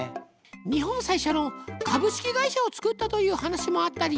日本最初の株式会社を作ったという話もあったり。